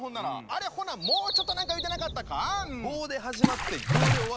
あれほなもうちょっと何か言うてなかったか？